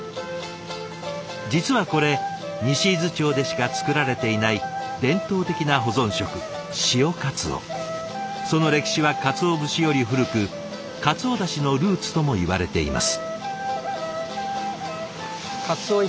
実はこれ西伊豆町でしか作られていない伝統的な保存食その歴史は鰹節より古く鰹だしのルーツともいわれています。